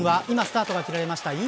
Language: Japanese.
今、スタートが切られました。